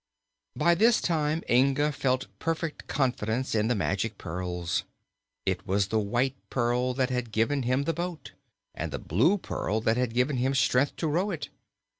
By this time Inga felt perfect confidence in the Magic Pearls. It was the White Pearl that had given him the boat, and the Blue Pearl that had given him strength to row it.